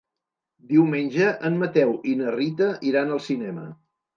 Diumenge en Mateu i na Rita iran al cinema.